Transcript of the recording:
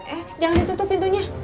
eh jangan ditutup pintunya